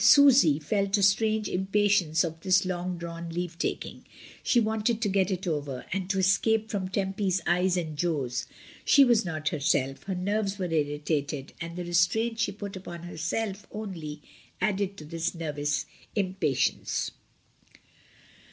Susy felt a strange im patience of this long drawn leave taking. She wanted to get it over, and to escape from Tempy's eyes and Jo's; she was not herself, her nerves were irritated, and the restraint she put updn herself only added to this nervous impatience.